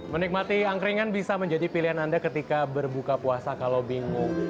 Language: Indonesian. menikmati angkringan bisa menjadi pilihan anda ketika berbuka puasa kalau bingung